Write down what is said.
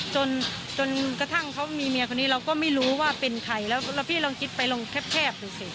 จนกระทั่งเขามีเมียคนนี้เราก็ไม่รู้ว่าเป็นใครแล้วพี่ลองคิดไปลองแคบดูสิ